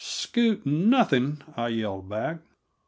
"Scoot nothing!" I yelled back.